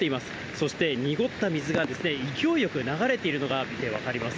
そして濁った水が勢いよく流れているのが見て分かります。